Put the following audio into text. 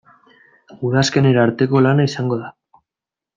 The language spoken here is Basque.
Udazkenera arteko lana izango da.